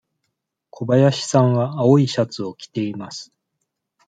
小林さんは青いシャツを着ています。